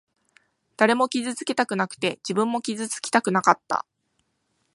誰も傷つけたくなくて、自分も傷つきたくなかった。